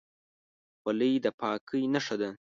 خولۍ د پاکۍ نښه ده.